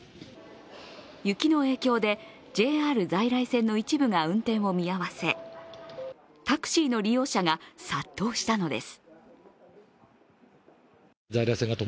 雪の影響でＪＲ在来線の一部が運転を見合わせタクシーの利用者が殺到したのです。